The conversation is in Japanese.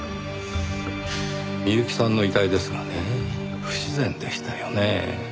美由紀さんの遺体ですがね不自然でしたよねぇ。